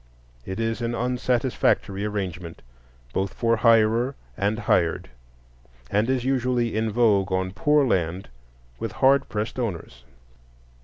It is an unsatisfactory arrangement, both for hirer and hired, and is usually in vogue on poor land with hard pressed owners.